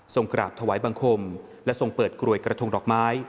กราบถวายบังคมและทรงเปิดกลวยกระทงดอกไม้